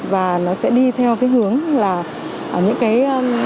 và nó sẽ đi theo cái hướng là những cái